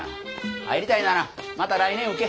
入りたいならまた来年受け。